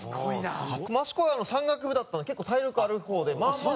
益子が山岳部だったので結構体力ある方でまあまあ。